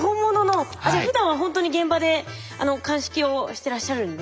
じゃあふだんはほんとに現場で鑑識をしてらっしゃるんですね。